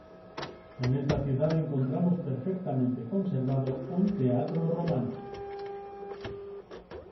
En esta ciudad encontramos perfectamente conservado un teatro romano.